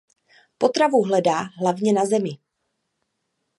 Potravu hledá hlavně na zemi.